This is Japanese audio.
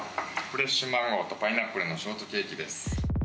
フレッシュマンゴーとパイナップルのショートケーキです。